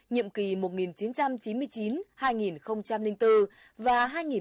nhiệm kỳ một nghìn chín trăm chín mươi chín hai nghìn bốn và hai nghìn bốn hai nghìn một mươi một